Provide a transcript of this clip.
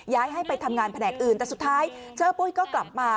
ย้ายให้ไปทำงานแผนกอื่นแต่สุดท้ายเจอปุ้ยก็กลับมา